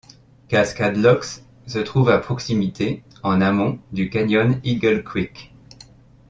Cascasde Locks se trouve à proximité, en amont, du cayon Eagle Creek.